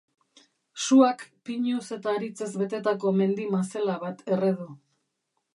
Suak pinuz eta aritzez betetako mendi-mazela bat erre du.